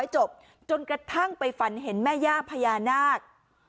จบจนกระทั่งไปฝันเห็นแม่ย่าพญานาค